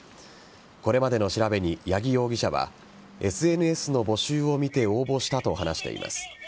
これまでの調べに、八木容疑者はＳＮＳの募集を見て応募したと話しています。